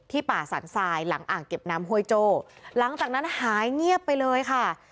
ป่าสรรทรายหลังอ่างเก็บน้ำห้วยโจ้หลังจากนั้นหายเงียบไปเลยค่ะ